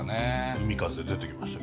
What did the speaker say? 海風出てきました。